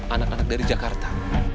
anak anak dari jakarta